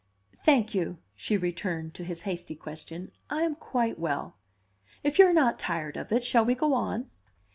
"Thank you," she returned to his hasty question, "I am quite well. If you are not tired of it, shall we go on?"